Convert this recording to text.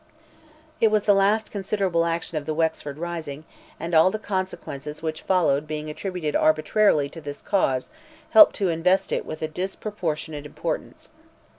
It was the last considerable action of the Wexford rising, and all the consequences which followed being attributed arbitrarily to this cause, helped to invest it with a disproportionate importance.